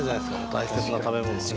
大切な食べ物を。